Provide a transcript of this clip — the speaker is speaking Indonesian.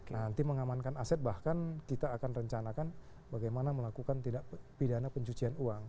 nanti mengamankan aset bahkan kita akan rencanakan bagaimana melakukan tidak pidana pencucian uang